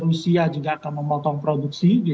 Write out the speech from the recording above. rusia juga akan memotong produksi